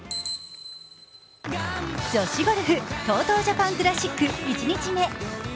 女子ゴルフＴＯＴＯジャパンクラシック１日目。